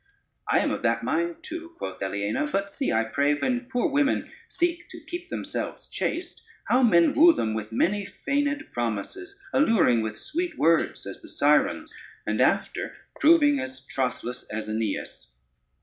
"I am of that mind too," quoth Aliena, "but see, I pray, when poor women seek to keep themselves chaste, how men woo them with many feigned promises; alluring with sweet words as the Sirens, and after proving as trothless as Aeneas.